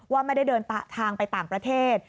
ว่าไม่ได้เดินทางไปต่างประเทศ